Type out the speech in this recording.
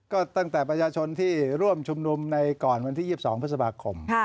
ก็ตั้งแต่ประชาชนที่ร่วมชุมนุมในก่อนวันที่๒๒พฤษภาคม